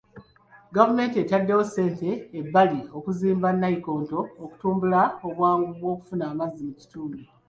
Gavumenti etaddewo ssente ebbali okuzimba nayikondo okutumbula obwangu bw'okufuna amazzi mu kitundu.